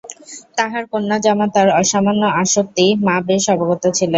তাঁহার কন্যাজামাতার অসামান্য আসক্তি মা বেশ অবগত ছিলেন।